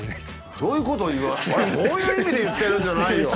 そういう意味で言ってるんじゃないよ！